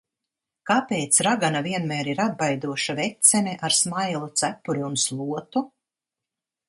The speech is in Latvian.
Kāpēc ragana vienmēr ir atbaidoša vecene ar smailu cepuri un slotu?